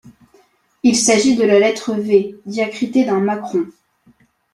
Il s'agit de la lettre V diacritée d'un macron.